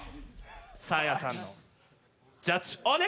サーヤさんのジャッジお願いいたします！